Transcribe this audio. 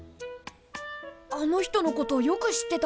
あの人のことよく知ってたね。